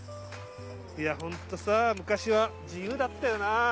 いや本当さあ昔は自由だったよなあ。